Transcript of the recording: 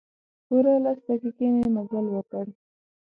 پوره لس دقیقې مې مزل وکړ.